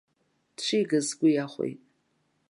Дшигаз сгәы иахәеит!